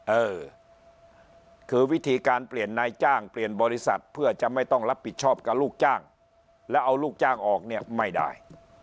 เออคือวิธีการเปลี่ยนนายจ้างเปลี่ยนบริษัทเพื่อจะไม่ต้องรับผิดชอบกับลูกจ้างแล้วเอาลูกจ้างออกเนี่ยไม่ได้